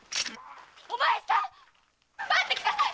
・お前さん‼待ってくだい！